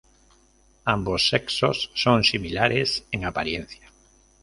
Ambos sexos son similares en apariencia.